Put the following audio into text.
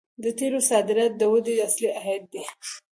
د تیلو صادرات د دوی اصلي عاید دی.